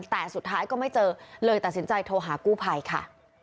แต่สุดท้ายก็ไม่เจอเลยตัดสินใจโทรหากู้ภัยค่ะ